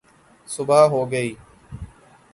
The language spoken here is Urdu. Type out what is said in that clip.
صبح ہو گئی